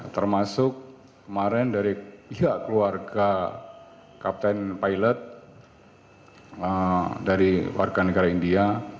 termasuk kemarin dari pihak keluarga kapten pilot dari warga negara india